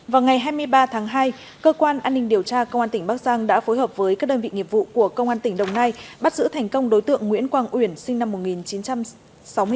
vào ngày hai mươi ba tháng hai cơ quan an ninh điều tra công an tỉnh bắc giang đã phối hợp với các đơn vị nghiệp vụ của công an tỉnh đồng nai bắt giữ thành công đối tượng nguyễn quang uyển sinh năm một nghìn chín trăm sáu mươi ba